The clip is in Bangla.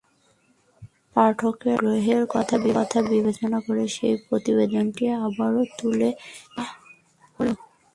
পাঠকের আগ্রহের কথা বিবেচনা করে সেই প্রতিবেদনটি আবারও তুলে দেওয়া হলো।